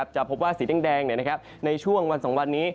จะพบว่าสีแดงในช่วงวัน๒วันนี้